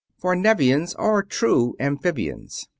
For Nevians are true amphibians.